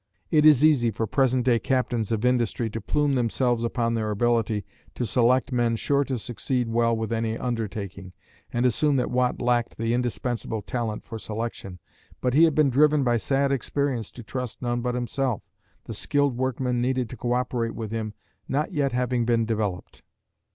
It is easy for present day captains of industry to plume themselves upon their ability to select men sure to succeed well with any undertaking, and assume that Watt lacked the indispensable talent for selection, but he had been driven by sad experience to trust none but himself, the skilled workmen needed to co operate with him not yet having been developed.